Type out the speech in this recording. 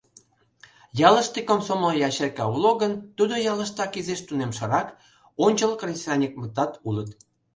Ялыште комсомол ячейка уло гын, тудо ялыштак изиш тунемшырак, ончыл кресаньыкмытат улыт.